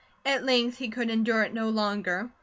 At length he could endure it no longer.